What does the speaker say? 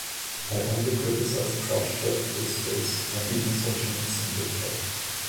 Only I criticised Khrushchev to his face; not even Solzhenitsyn did that.